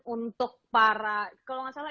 untuk para kalau nggak salah